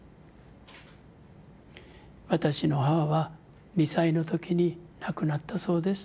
「私の母は２歳の時に亡くなったそうです。